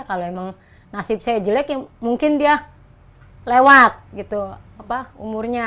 kalau emang nasib saya jelek ya mungkin dia lewat gitu umurnya